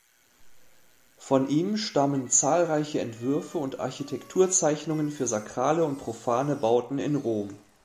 Von ihm stammen zahlreiche Entwürfe und Architekturzeichnungen für sakrale und profane Bauten in Rom.